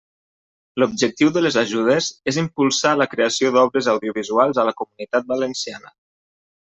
L'objectiu de les ajudes és impulsar la creació d'obres audiovisuals a la Comunitat Valenciana.